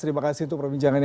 terima kasih tuh pak minjang